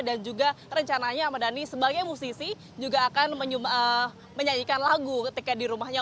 dan juga rencananya ahmad dhani sebagai musisi juga akan menyanyikan lagu ketika di rumahnya